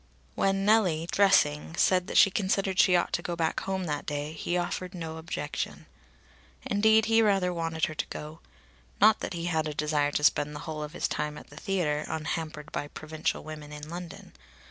When Nellie, dressing, said that she considered she ought to go back home that day, he offered no objection. Indeed he rather wanted her to go. Not that he had a desire to spend the whole of his time at the theatre, unhampered by provincial women in London.